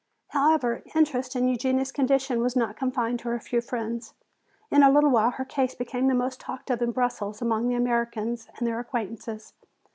However, interest in Eugenia's condition was not confined to her few friends. In a little while her case became the most talked of in Brussels among the Americans and their acquaintances.